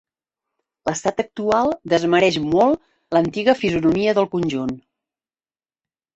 L'estat actual desmereix molt l'antiga fisonomia del conjunt.